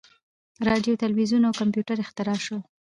• راډیو، تلویزیون او کمپیوټر اختراع شول.